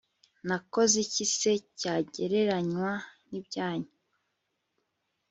nakoze iki se cyagereranywa n'ibyanyu